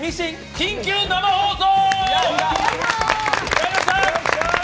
緊急生放送！